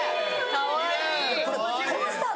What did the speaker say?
・かわいい！